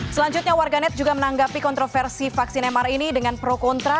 selanjutnya warganet juga menanggapi kontroversi vaksin mr ini dengan pro kontra